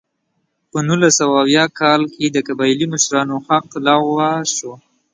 په نولس سوه اویا کال کې د قبایلي مشرانو حق لغوه شو.